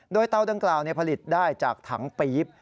โดยเตาดังกล่าวผลิตได้จากถังปี๊บ